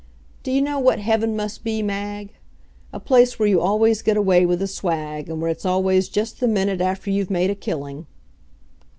D'ye know what heaven must be, Mag? A place where you always get away with the swag, and where it's always just the minute after you've made a killing.